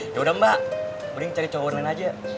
yaudah mbak mending cari cowok lain aja